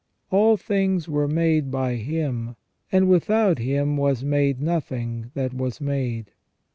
" All things were made by Him, and without Him was made nothing that was made."